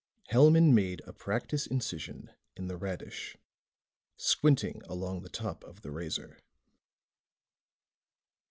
Hellman made a practice incision in the radish, squinting along the top of the razor.